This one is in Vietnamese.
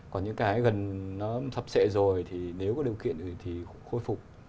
còn những cái gần nó thập sệ rồi thì nếu có điều kiện thì khôi phục